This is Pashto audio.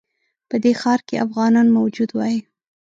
په دې ښار کې افغانان موجود وای.